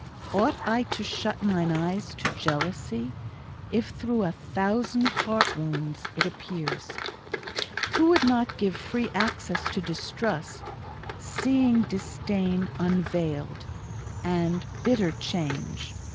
Ought I to shut mine eyes to jealousy, If through a thousand heart wounds it appears? Who would not give free access to distrust, Seeing disdain unveiled, and bitter change!